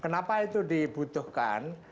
kenapa itu dibutuhkan